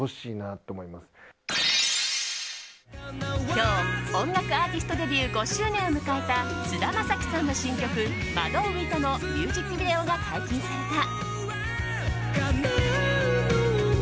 今日音楽アーティストデビュー５周年を迎えた菅田将暉さんの新曲「惑う糸」のミュージックビデオが解禁された。